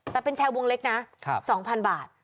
แต่เป็นแชร์วงเล็กนะ๒๐๐๐บาท